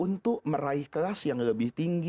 untuk meraih kelas yang lebih tinggi